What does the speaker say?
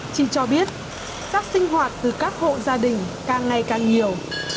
chị cho biết rác sinh hoạt từ các hộ gia đình càng ngày càng nhiều